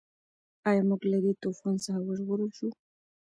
ایا موږ له دې طوفان څخه وژغورل شوو؟